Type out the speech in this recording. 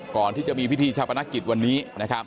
ก่อนที่จะมีพิธีชาปนักกิจวันนี้